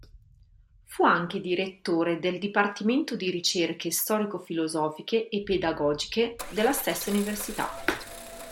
Fu anche direttore del Dipartimento di Ricerche storico-filosofiche e pedagogiche della stessa Università.